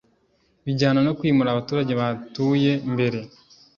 bijyana no kwimura abaturage bahatuye mbere